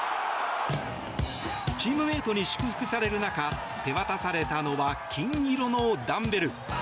チームメートに祝福される中手渡されたのは金色のダンベル。